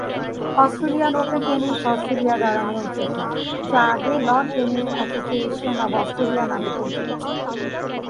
Australian Open tennis Australia দ্বারা নিয়ন্ত্রিত, যা আগে "Lawn Tennis Association of Australia" নামে পরিচিত ছিল।